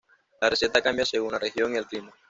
La receta cambia según la región y el clima.